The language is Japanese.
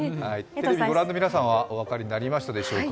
テレビのご覧の皆さんはお分かりになりましたでしょうか。